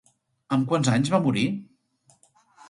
Amb quants anys va morir?